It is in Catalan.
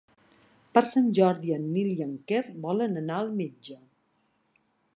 Per Sant Jordi en Nil i en Quer volen anar al metge.